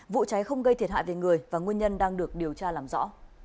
vụ cháy không gây thiệt hại về người và nguyên nhân đang được điều tra làm rõ